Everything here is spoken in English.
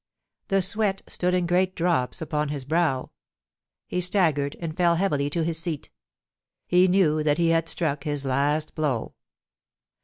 The sweat stood in great drops upon his brow ; he staggered and fell heavily to his seat ; he knew that he had struck his last blow.